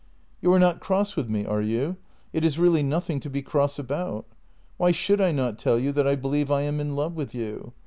" You are not cross with me, are you? It is really nothing to be cross about. Why should I not tell you that I believe I am in love with you